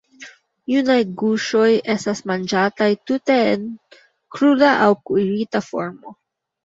Junaj guŝoj estas manĝataj tute en kruda aŭ kuirita formo.